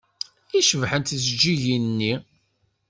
I cebḥent tjeǧǧigin-nni!